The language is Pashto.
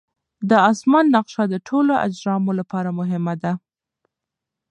د اسمان نقشه د ټولو اجرامو لپاره مهمه ده.